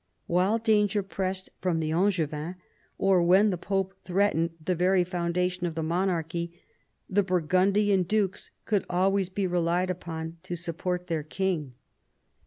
While danger pressed from the Angevins, or when the Pope threatened the very foundation of the monarchy, the Burgundian dukes could always be relied upon to support their king.